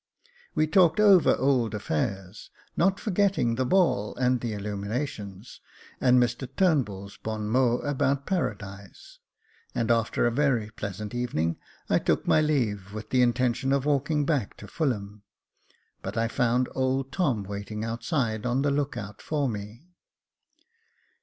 We talked over old affairs, not forgetting the ball, and the illuminations, and Mr Turnbull's bon mot about Paradise ; and after a very pleasant evening, \ took my leave with the intention of walking back to Fulham, but I found old Tom waiting out side, on the look out for me.